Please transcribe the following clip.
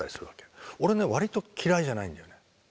俺ね割と嫌いじゃないんだよね。